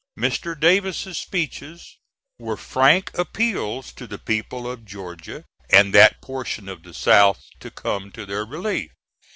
Mr. Davis's speeches were frank appeals to the people of Georgia and that portion of the South to come to their relief.